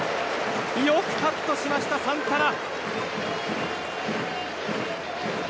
よくカットしました、サンタナ。